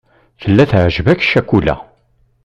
Tella teεǧeb-ak ccakula.